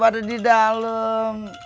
ada di dalam